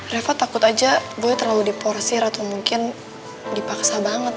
reva takut aja gue terlalu diporsir atau mungkin dipaksa banget